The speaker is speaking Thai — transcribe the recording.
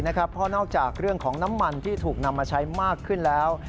เพราะนอกจากเรื่องของน้ำมันที่ถูกนำมาใช้มากขึ้นแล้ว